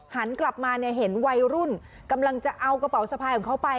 หันกลับมาเนี่ยเห็นวัยรุ่นกำลังจะเอากระเป๋าสะพายของเขาไป